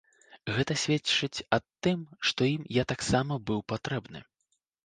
Гэта сведчыць ад тым, што ім я таксама быў патрэбны.